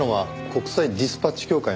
国際ディスパッチ協会？